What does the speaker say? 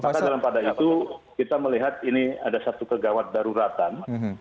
karena dalam pada itu kita melihat ini ada satu kegawat daruratan